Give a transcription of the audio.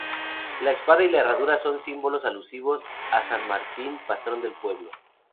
La espada y la herradura son símbolos alusivos a san Martín, patrón del pueblo.